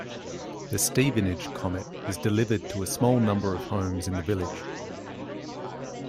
"The Stevenage Comet" is delivered to a small number of homes in the village.